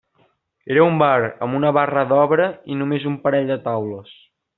Era un bar amb una barra d'obra i només un parell de taules.